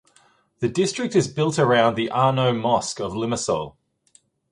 The district is built around the Arnaut Mosque of Limassol.